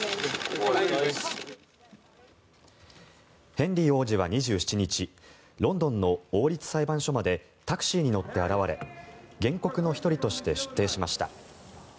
ヘンリー王子は２７日ロンドンの王立裁判所までタクシーに乗って現れ原告の１人として出廷しました。